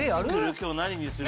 今日何にする？